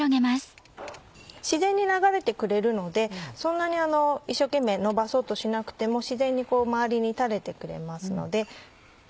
自然に流れてくれるのでそんなに一生懸命のばそうとしなくても自然に周りに垂れてくれますので。